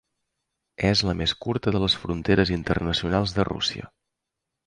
És la més curta de les fronteres internacionals de Rússia.